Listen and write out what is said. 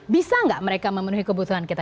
bisa nggak mereka memenuhi kebutuhan kita